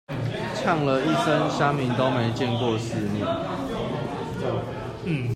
嗆了一聲鄉民都沒見過世面